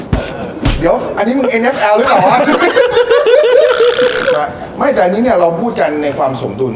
เดี๋ยวอันนี้มึง๖๔เลยเหรอฮะฮ่าไม่แต่อันนี้เนี่ยเราปูดกันในความสมทุน